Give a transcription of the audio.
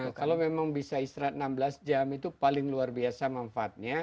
nah kalau memang bisa istirahat enam belas jam itu paling luar biasa manfaatnya